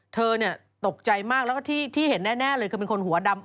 เธอตกใจมากแล้วก็ที่เห็นแน่เลยคือเป็นคนหัวดำ